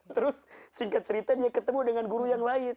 terus singkat cerita dia ketemu dengan guru yang lain